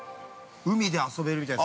海で遊べるみたいな。